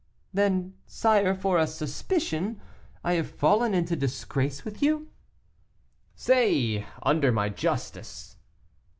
"Then, sire, for a suspicion, I have fallen into disgrace with you?" "Say, under my justice."